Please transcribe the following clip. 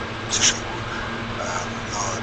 په لاس لیکلنه د ازموینو د ورکولو اصلي لاره ده.